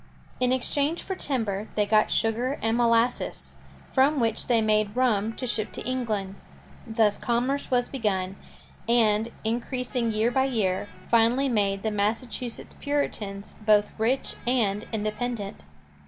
In exchange for timber, they got sugar and molasses, from which they made rum to ship to England. Thus commerce was begun, and, increasing year by year, finally made the Massachusetts Puritans both rich and independent.